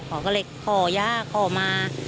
เขาก็เลยขอย่าขอมา